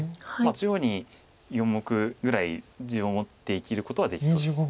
中央に４目ぐらい地を持って生きることはできそうです。